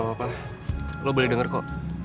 pernahnya ini aku bro